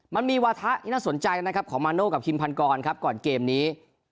มันมีวาทะที่น่าสนใจนะครับของมาโน่กับคิมพันกรครับก่อนเกมนี้